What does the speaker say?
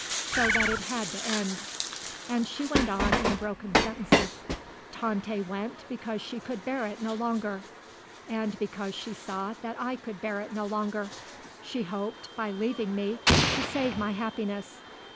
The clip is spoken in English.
So that it had to end," she went on in broken sentences. "Tante went because she could bear it no longer. And because she saw that I could bear it no longer. She hoped, by leaving me, to save my happiness.